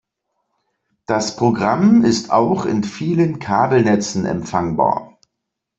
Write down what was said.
Das Programm ist auch in vielen Kabelnetzen empfangbar.